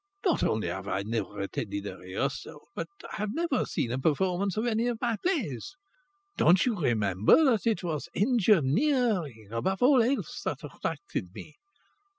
Not only have I never attended a rehearsal, but I have never seen a performance of any of my plays. Don't you remember that it was engineering, above all else, that attracted me?